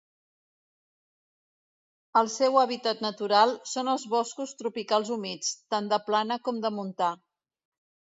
El seu hàbitat natural són els boscos tropicals humits, tant de plana com de montà.